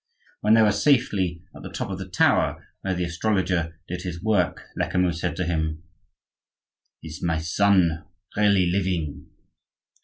When they were safely at the top of the tower, where the astrologer did his work, Lecamus said to him:— "Is my son really living?"